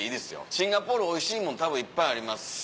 シンガポールおいしいもんたぶんいっぱいありますよ